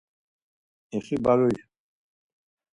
İxi baruy.